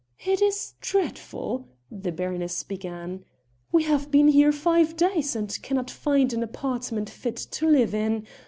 "It is dreadful!" the baroness began, "we have been here five days and cannot find an apartment fit to live in.